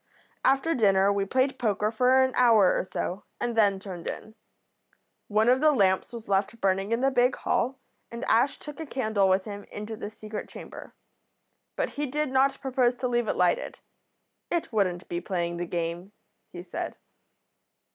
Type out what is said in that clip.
"After dinner we played poker for an hour or so and then turned in. One of the lamps was left burning in the big hall, and Ash took a candle with him into the secret chamber. But he did not propose to leave it lighted. It wouldn't be playing the game, he said.